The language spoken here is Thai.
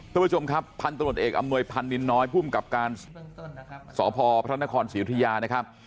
ท่านผู้ชมครับพันธุรกิจเอกอำนวยพันธุ์ลินน้อยผู้หุ้มกับการสภพระนครศิริยานะครับ